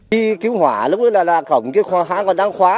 khi cứu hỏa lúc đó là cổng kia đang khóa